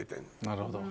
なるほど。